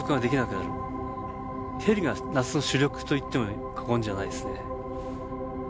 ヘリが夏の主力と言っても過言じゃないですね。